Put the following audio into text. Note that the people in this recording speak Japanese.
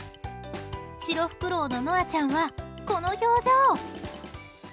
シロフクロウのノアちゃんはこの表情。